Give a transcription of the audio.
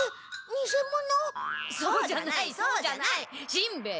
しんべヱ。